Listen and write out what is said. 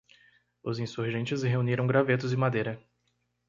Os insurgentes reuniram gravetos e madeira.